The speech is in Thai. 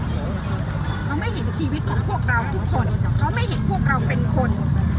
เขาไม่เห็นชีวิตของพวกเราทุกคนเขาไม่เห็นพวกเราเป็นคน